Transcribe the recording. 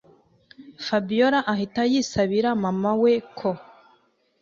Fabiora ahita yisabira mama we ko